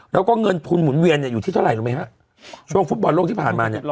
แล้วก็เงินทุนหมุนเวียนเนี่ยอยู่ที่เท่าไหร่รู้ไหมฮะช่วงฟุตบอลโลกที่ผ่านมาเนี่ย